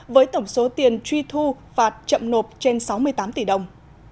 với tổng số tiền truy thu phạt chậm nộp trên sáu mươi tám tỷ đồng